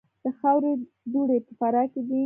د خاورو دوړې په فراه کې دي